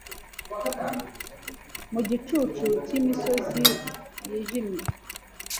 Mu gicucu cyimisozi yijimye